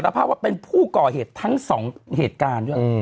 ภาพว่าเป็นผู้ก่อเหตุทั้งสองเหตุการณ์ด้วย